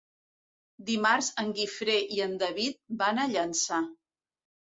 Dimarts en Guifré i en David van a Llançà.